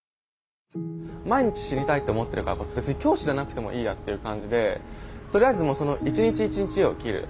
毎日死にたいって思ってるからこそ別に今日死ななくてもいいやっていう感じでとりあえず１日１日を生きる。